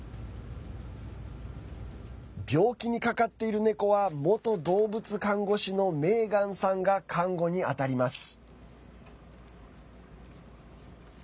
病気にかかっている猫は元動物看護師のメーガンさんが看護にあたります。